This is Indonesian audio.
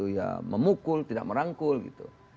ya memukul tidak merangkul gitu